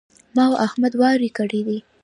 ما او احمد واری کړی دی.